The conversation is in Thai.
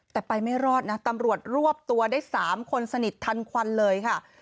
แต่ไปไม่รอดนะตำรวจรวบตัวได้๓คนสนิททันควันเลยค่ะ